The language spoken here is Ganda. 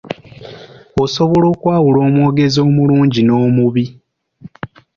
Osobola okwawula owogezi omulungi n'omubi .